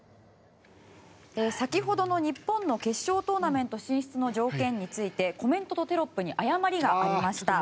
先ほどの日本の決勝トーナメント進出の条件についてコメントとテロップに誤りがありました。